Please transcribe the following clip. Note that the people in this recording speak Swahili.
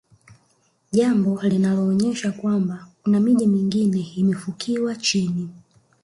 jambo linaloonyesha kwamba kuna miji mingine imefukiwa chini